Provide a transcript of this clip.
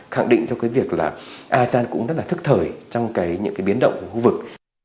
khẳng định cho cái việc là asean cũng rất là thức thời trong cái những cái biến động của khu vực